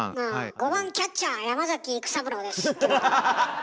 「５番キャッチャー山崎育三郎です」っていうのは？